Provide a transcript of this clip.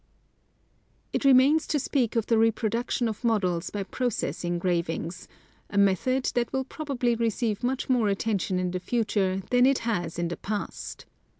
It remains to speak of the reproduction of models by process engravings — a method that will probably receive much more attention in the future than it has in the past.